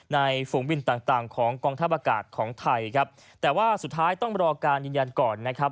ฝูงบินต่างต่างของกองทัพอากาศของไทยครับแต่ว่าสุดท้ายต้องรอการยืนยันก่อนนะครับ